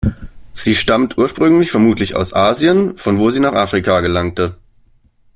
Sie stammt ursprünglich vermutlich aus Asien, von wo sie nach Afrika gelangte.